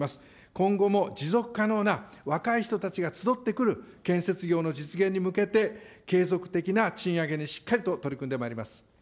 今後も持続可能な、若い人たちが集ってくる建設業の実現に向けて、継続的な賃上げにしっかりと取り組んでまいります。